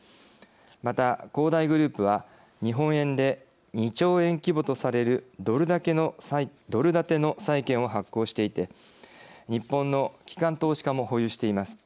また恒大グループは日本円で２兆円規模とされるドル建ての債券を発行していて日本の機関投資家も保有しています。